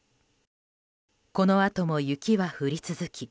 このあとも雪は降り続き